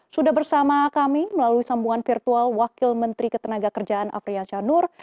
sudah bersama kami melalui sambungan virtual wakil menteri ketenaga kerjaan afrian syah nur